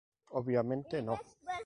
Obviamente no.